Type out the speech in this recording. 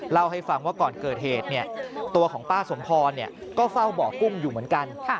เล่าให้ฟังว่าก่อนเกิดเหตุตัวของป้าสมพรก็เฝ้าบ่อกุ้งอยู่เหมือนกัน